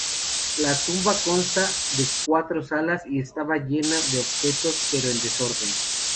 La tumba consta de cuatro salas y estaba llena de objetos, pero en desorden.